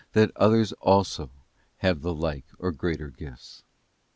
225 that others also have the like or greater gifts.